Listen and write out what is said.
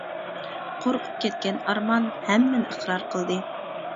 قورقۇپ كەتكەن ئارمان ھەممىنى ئىقرار قىلدى.